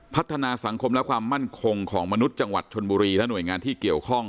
พัฒนาสังคมและความมั่นคงของมนุษย์จังหวัดชนบุรีและหน่วยงานที่เกี่ยวข้อง